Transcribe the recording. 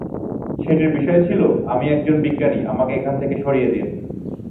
সেটির বিষয় ছিলো "আমি একজন বিজ্ঞানী, আমাকে এখান থেকে সরিয়ে দিন!"